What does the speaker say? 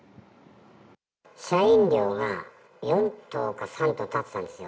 社員寮が４棟か３棟建ってたんですよ。